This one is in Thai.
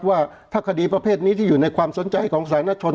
ว่าถ้าคดีประเภทนี้ที่อยู่ในความสนใจของสาธารณชน